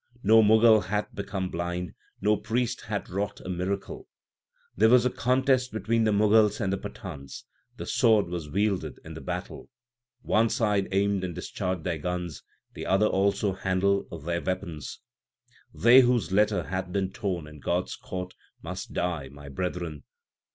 No Mughal hath become blind ; no priest hath wrought a miracle. There was a contest between the Mughals and Pathans ; the sword was wielded in the battle. One side aimed and discharged their guns, the other also handled their weapons : They whose letter * hath been torn in God s court must die, my brethren.